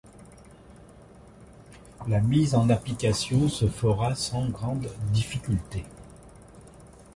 La mise en application se fera sans grande difficulté.